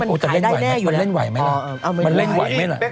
มันจะเล่นไหวไหมละ